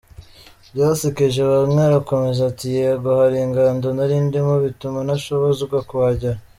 " Byasekeje bamwe, arakomeza ati "Yego, hari ingando nari ndimo bituma ntashobozwa kuhagera.